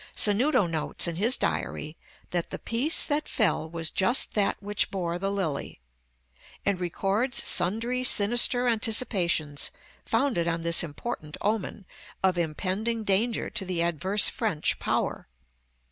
Sanuto notes in his diary that "the piece that fell was just that which bore the lily," and records sundry sinister anticipations, founded on this important omen, of impending danger to the adverse French power.